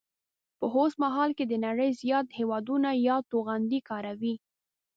په اوسمهال کې د نړۍ زیات هیوادونه یاد توغندي کاروي